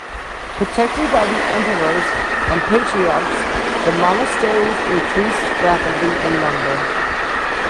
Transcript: Protected by the emperors and patriarchs the monasteries increased rapidly in number.